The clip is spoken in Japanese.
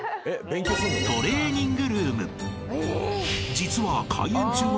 ［実は］